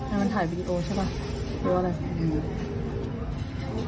มันถ่ายวีดีโอใช่ป่ะหรืออะไร